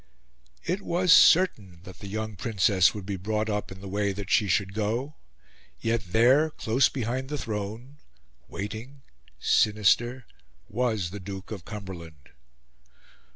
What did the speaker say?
It was certain that the young Princess would be brought up in the way that she should go; yet there, close behind the throne, waiting, sinister, was the Duke of Cumberland.